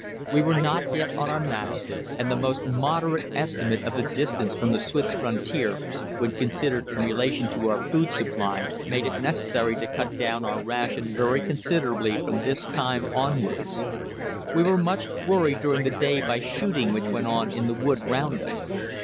We were not yet on our maps, and the most moderate estimate of the distance from the Swiss frontier, when considered in relation to our food supply, made it necessary to cut down our ration very considerably from this time onwards. We were much worried during that day by shooting which went on in the wood round us.